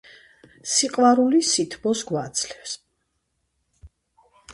სიყვარული სითბოს გვაძლევს.